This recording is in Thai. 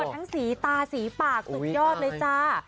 ทั้งสีตาสีปากสุดยอดเลยจ้า